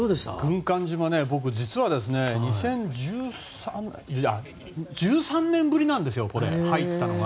軍艦島、僕実は１３年ぶりなんです入ったのが。